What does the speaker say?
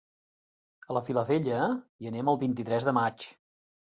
A la Vilavella hi anem el vint-i-tres de maig.